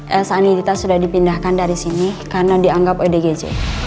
elsa sanitita sudah dipindahkan dari sini karena dianggap odgj